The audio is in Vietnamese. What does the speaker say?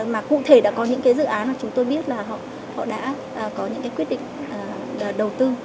mà cụ thể đã có những cái dự án mà chúng tôi biết là họ đã có những cái quyết định đầu tư